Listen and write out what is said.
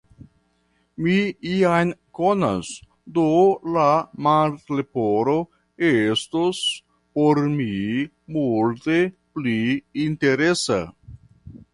mi jam konas; do la Martleporo estos por mi multe pli interesa.